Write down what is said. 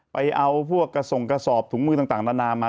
ไปเอาพวกกระส่งกระสอบถุงมือต่างนานามา